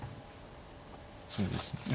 そうですね。